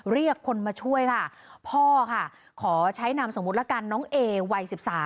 เรียกคนมาช่วยค่ะพ่อค่ะขอใช้นามสมมุติละกันน้องเอวัย๑๓